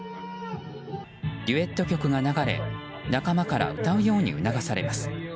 デュエット曲が流れ仲間から歌うように促されます。